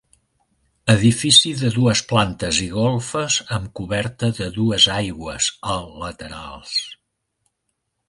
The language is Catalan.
Edifici de dues plantes i golfes amb coberta de dues aigües a laterals.